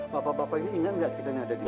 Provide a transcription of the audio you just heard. bapak bapak ini ingat gak kita ada di rumah